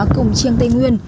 cùng chiêng tây nguyên